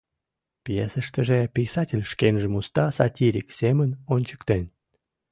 Пьесыштыже писатель шкенжым уста сатирик семын ончыктен.